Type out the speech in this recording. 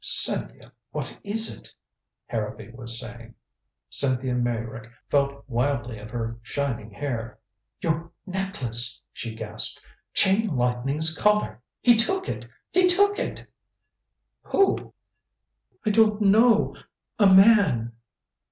"Cynthia what is it?" Harrowby was saying. Cynthia Meyrick felt wildly of her shining hair. "Your necklace," she gasped. "Chain Lightning's Collar. He took it! He took it!" "Who?" "I don't know. A man!"